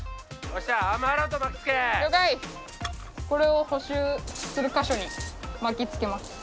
これを補修する箇所に巻き付けます。